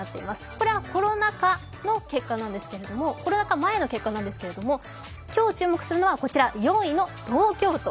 これはコロナ禍前の結果なんですけれども、今日注目するのは４位の東京都。